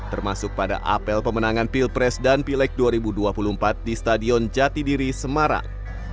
termasuk pada apel pemenangan pilpres dan pilek dua ribu dua puluh empat di stadion jatidiri semarang